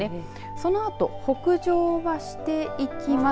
そのあと北上はしていきます。